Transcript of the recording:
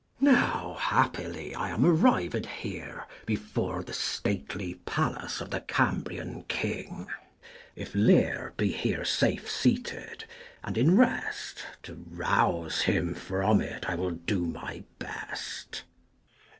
Now happily I am arrived here, Before the stately palace of the Cambrian king : If Leir be here safe seated, and in rest, To rouse him from it I will do my best.